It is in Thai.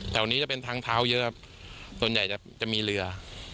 แถวนี้จะเป็นทางเท้าเยอะครับส่วนใหญ่จะมีเรือ